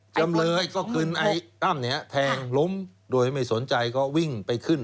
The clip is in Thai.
จำเลยก็คืนไอตั้มแทงล้มโดยไม่สนใจก็วิ่งไปขึ้น